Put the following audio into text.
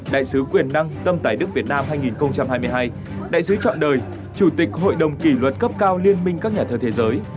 đại sứ quyền năng tâm tài đức việt nam hai nghìn hai mươi hai đại sứ chọn đời chủ tịch hội đồng kỷ luật cấp cao liên minh các nhà thơ thế giới